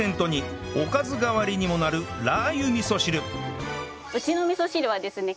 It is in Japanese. おかず代わりにもなるラー油味噌汁うちの味噌汁はですね